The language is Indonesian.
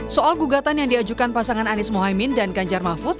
soal gugatan yang diajukan pasangan anies mohaimin dan ganjar mahfud